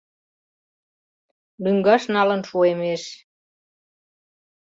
Лӱҥгаш налын шуэмеш.